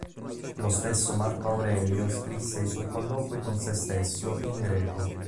Lo stesso Marco Aurelio scrisse i suoi "Colloqui con sé stesso" in greco.